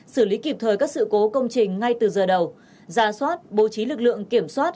xử lý kịp thời các sự cố công trình ngay từ giờ đầu ra soát bố trí lực lượng kiểm soát